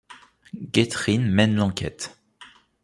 Gethryn mène l'enquête...